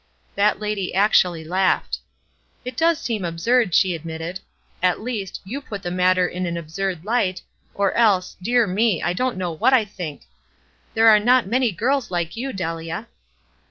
That lady actually laughed. "It docs seem absurd," she admitted. "At least, you put the matter in an absurd light, or else, dear me ! I don't know what I think. There arc not many girls like you, Delia."